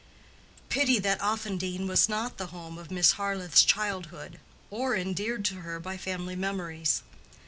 Pity that Offendene was not the home of Miss Harleth's childhood, or endeared to her by family memories!